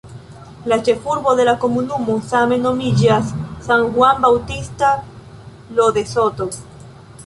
La ĉefurbo de la komunumo same nomiĝas "San Juan Bautista Lo de Soto".